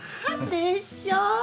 でしょう？